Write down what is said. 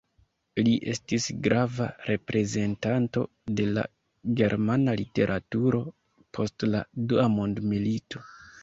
Li estis grava reprezentanto de la germana literaturo post la Dua mondmilito.